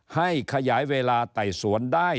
ขยายเวลาไต่สวนได้